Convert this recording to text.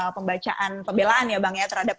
pembacaan pembelaan ya bang ya terhadap